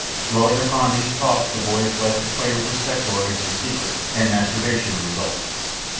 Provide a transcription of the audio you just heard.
Dwelling upon these thoughts the boy is led to play with his sex organs in secret and masturbation results.